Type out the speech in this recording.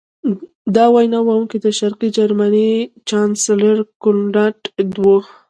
دا وینا کوونکی د شرقي جرمني چانسلر کونراډ و